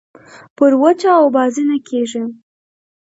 پر وچه اوبازي نه کېږي.